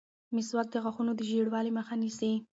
مسواک د غاښونو د ژېړوالي مخه نیسي.